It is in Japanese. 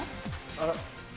あら。